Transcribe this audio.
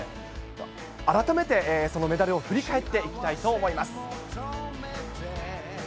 改めてそのメダルを振り返っていきたいと思います。